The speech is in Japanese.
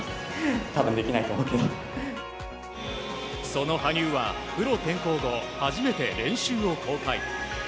その羽生はプロ転向後初めて練習を公開。